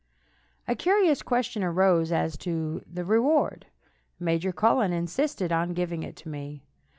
A curious question arose as to the reward. Major Cullen insisted on giving it to me.